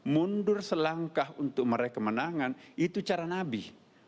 mundur selangkah untuk meraih kemenangan itu cara nabi